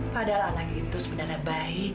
padahal anak itu sebenarnya baik